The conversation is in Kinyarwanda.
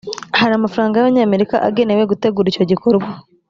hari amafaranga y abanyamerika agenewe gutegura icyo gikorwa